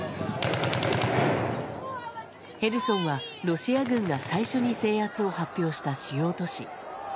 ヘルソンはロシア軍が最初に制圧を発表した主要都市。